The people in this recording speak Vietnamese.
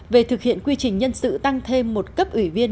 về thực hiện quy trình nhân sự tăng thêm một cấp ủy viên